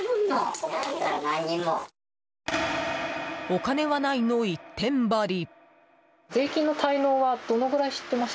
お金はないの一点張り。